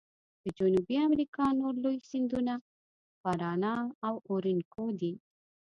د جنوبي امریکا نور لوی سیندونه پارانا او اورینوکو دي.